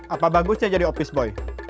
apa bagusnya jadi office boy